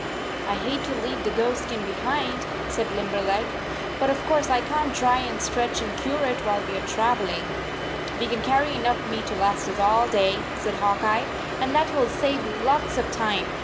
" I hate to leave the doe skin behind," said Limberleg, " but of course I can t dry and stretch and cure it while we are travel ing." "We can carry enough meat to last us all day," said Hawk Eye, "and that will save lots of time.